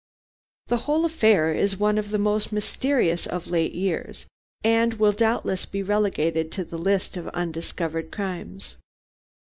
The whole affair is one of the most mysterious of late years, and will doubtless be relegated to the list of undiscovered crimes.